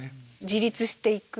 自立していく。